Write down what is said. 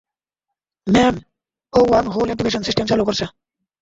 Ma'am, ও wormhole activation system চালু করছে।